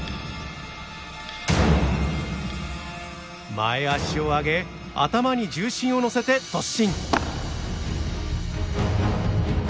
前足を上げ頭に重心を乗せて突進！